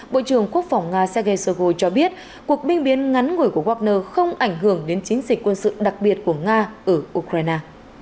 bộ trưởng quốc phòng nga sergei shoigo cho biết cuộc binh biến ngắn ngủi của wagner không ảnh hưởng đến chiến dịch quân sự đặc biệt của nga ở ukraine